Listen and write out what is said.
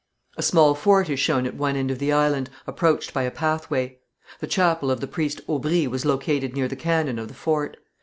A small fort is shown at one end of the island, approached by a pathway. The chapel of the priest Aubry was located near the cannon of the fort.